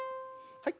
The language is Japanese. はい。